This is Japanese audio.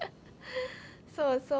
そうそう。